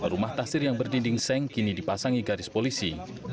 rumah tasir yang berdinding seng kini dipasangi garis polisi